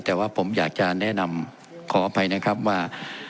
แต่ว่าผมอยากจะแนะนำขออภัยนะครับว่า